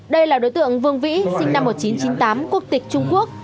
đây là đối tượng vương vĩ sinh năm một nghìn chín trăm chín mươi tám quốc tịch trung quốc